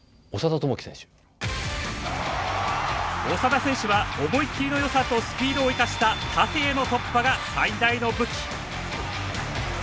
長田選手は思い切りのよさとスピードを生かした縦への突破が最大の武器。